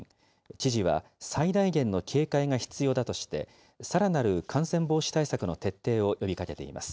知事は、最大限の警戒が必要だとして、さらなる感染防止対策の徹底を呼びかけています。